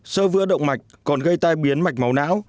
sơ vữa động mạch còn gây tai biến mạch máu não